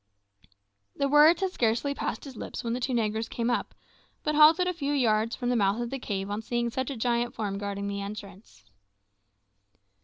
The words had scarcely passed his lips when the two negroes came up, but halted a few yards from the mouth of the cave on seeing such a giant form guarding the entrance.